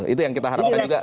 itu yang kita harapkan juga